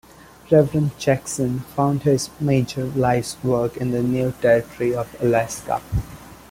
Reverend Jackson found his major life's work in the new territory of Alaska.